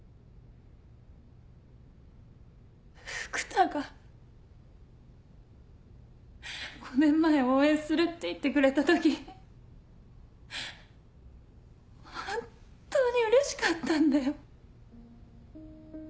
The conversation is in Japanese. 福多が５年前「応援する」って言ってくれた時本当にうれしかったんだよ。